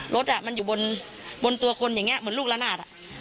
รถมันอยู่บนตัวคนอย่างนี้เหมือนลูกละนาด